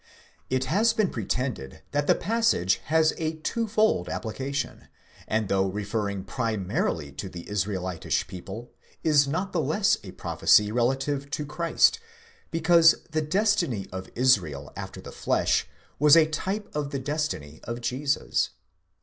It has been pretended that the passage has a twofold application, and, though referring primarily to the Israelitish people, is not the less a prophecy relative to Christ, because the destiny of Israel "after the flesh" was a type of the destiny of Jesus.